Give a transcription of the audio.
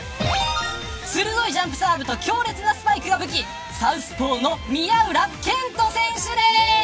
鋭いジャンプサーブと強烈なスパイクが武器サウスポーの宮浦健人選手です。